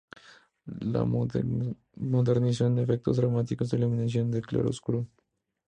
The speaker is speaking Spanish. La modernizó con efectos dramáticos de iluminación, de claroscuro.